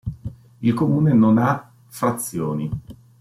Il comune non ha frazioni.